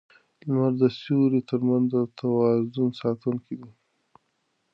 لمر د سیارو ترمنځ د توازن ساتونکی دی.